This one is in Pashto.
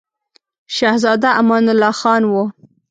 شهزاده امان الله خان وو.